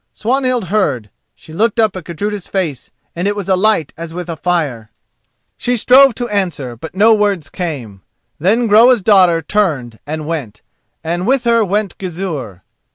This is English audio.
Swanhild heard. She looked up at Gudruda's face and it was alight as with a fire. She strove to answer, but no words came. Then Groa's daughter turned and went, and with her went Gizur.